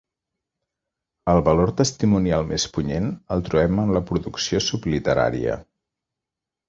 El valor testimonial més punyent el trobem en la producció subliterària.